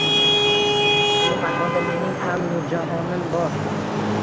Bu makonda mening ham nurjahonim bor.